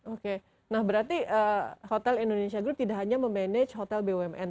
oke nah berarti hotel indonesia group tidak hanya memanage hotel bumn